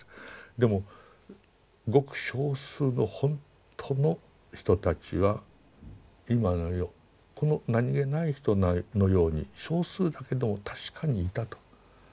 でもごく少数のほんとの人たちは今の世この何気ない人のように少数だけども確かにいたと。